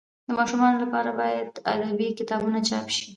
د ماشومانو لپاره باید ادبي کتابونه چاپ سي.